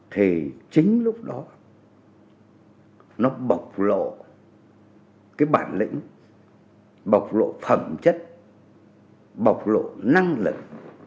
thì chính lúc đó nó bọc lộ cái bản lĩnh bọc lộ phẩm chất bọc lộ năng lực